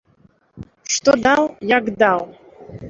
Што даў, як даў?